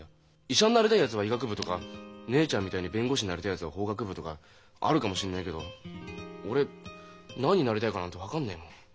医者になりたいやつは医学部とか姉ちゃんみたいに弁護士になりたいやつは法学部とかあるかもしんねえけど俺何になりたいかなんて分かんねえもん。